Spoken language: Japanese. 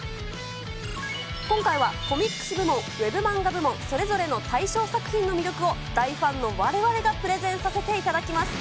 今回はコミックス部門、Ｗｅｂマンガ部門、それぞれの大賞作品の魅力を、大ファンのわれわれがプレゼンさせていただきます。